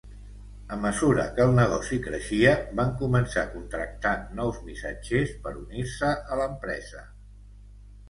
A mesura que el negoci creixia, van començar a contractar nous missatgers per unir-se a l'empresa.